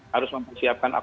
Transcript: harus mempersiapkan alasan